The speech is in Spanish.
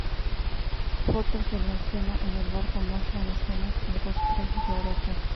Fotos de la escena en el barco muestran escenas y rostros llorosos.